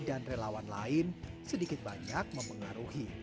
dan relawan lain sedikit banyak mempengaruhi